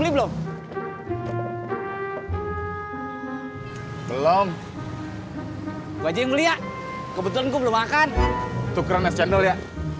belum belum wajah ngeliat kebetulan gue belum makan tukeran nasional ya